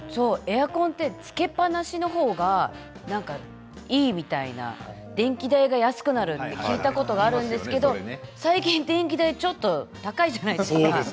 エアコンってつけっぱなしのほうが何かいいみたいな電気代が安くなる聞いたことがあるんですけど最近電気代ちょっと高いじゃないですか。